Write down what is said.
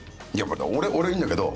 俺俺はいいんだけど。